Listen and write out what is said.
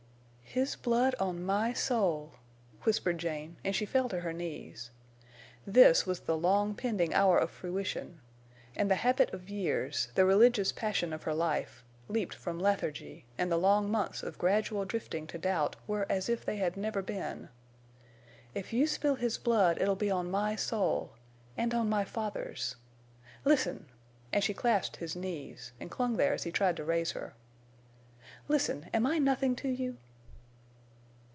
_ "His blood on my soul!" whispered Jane, and she fell to her knees. This was the long pending hour of fruition. And the habit of years—the religious passion of her life—leaped from lethargy, and the long months of gradual drifting to doubt were as if they had never been. "If you spill his blood it'll be on my soul—and on my father's. Listen." And she clasped his knees, and clung there as he tried to raise her. "Listen. Am I nothing to you?"